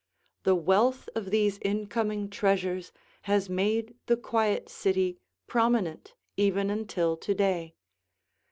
The wealth of these incoming treasures has made the quiet city prominent even until to day.